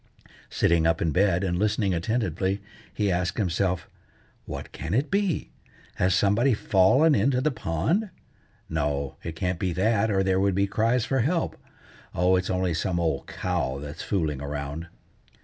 Sitting up in bed, and listening attentively, he asked himself:— "What can it be? Has somebody fallen into the pond? No, it can't be that, or there would be cries for help. Oh! it's only some old cow that's fooling around."